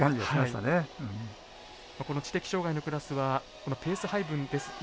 この知的障がいのクラスはペース配分もそうですし